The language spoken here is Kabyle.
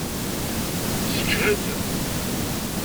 Seǧhed!